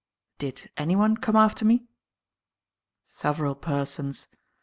"Did anyone come after me?" "Several persons.